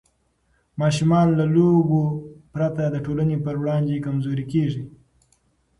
ماشومان له لوبو پرته د ټولنې په وړاندې کمزوري کېږي.